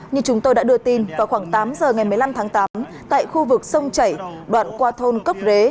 như chúng tôi đã đưa tin vào khoảng tám giờ ngày một mươi năm tháng tám tại khu vực sông chảy đoạn qua thôn cốc rế